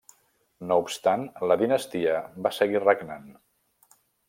No obstant la dinastia va seguir regnant.